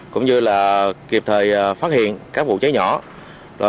cũng như là kịp thời phát hiện các vụ cháy nhỏ